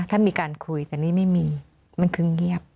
ถ้ามีการคุยแต่นี่ไม่มีมันคือเงียบ